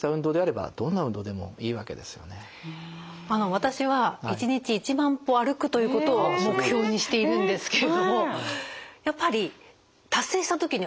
私は一日１万歩歩くということを目標にしているんですけれどもやっぱり達成した時にうれしいんですよね。